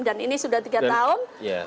dan ini sudah tiga tahun